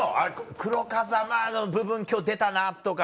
黒風間の部分今日出たなとか。